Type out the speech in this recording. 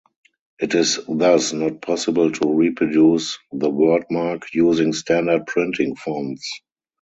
It is thus not possible to reproduce the wordmark using standard printing fonts.